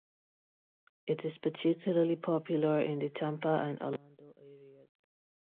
It is particularly popular in the Tampa and Orlando areas.